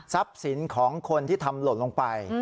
ทรัพย์ศิลป์ของคนที่ทำหล่นลงไป